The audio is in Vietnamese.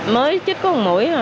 mới chích có một mũi